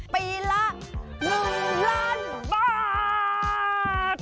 ปีละ๑ล้านบาท